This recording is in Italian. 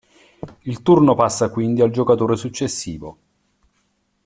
Il turno passa quindi al giocatore successivo.